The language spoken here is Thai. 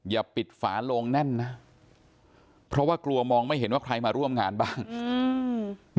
อย่าปิดฝาโลงแน่นนะเพราะว่ากลัวมองไม่เห็นว่าใครมาร่วมงานบ้างอืม